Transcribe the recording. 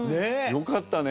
よかったね。